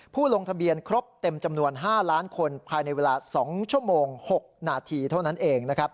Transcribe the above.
ลงทะเบียนครบเต็มจำนวน๕ล้านคนภายในเวลา๒ชั่วโมง๖นาทีเท่านั้นเอง